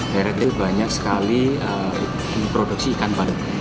daerah itu banyak sekali produksi ikan bandeng